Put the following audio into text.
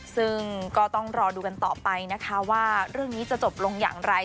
ซึ่งก็ต้องรอดูกันต่อไปนะคะว่าเรื่องนี้จะจบลงอย่างไร